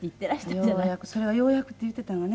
ようやくそれがようやくって言うてたんがね